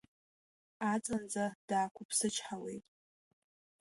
Аҵанӡа даақәыԥсычҳауеит.